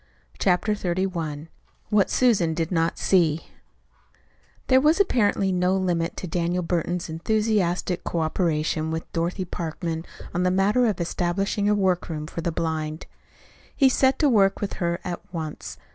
CHAPTER XXXI WHAT SUSAN DID NOT SEE There was apparently no limit to Daniel Burton's enthusiastic cooperation with Dorothy Parkman on the matter of establishing a workroom for the blind. He set to work with her at once.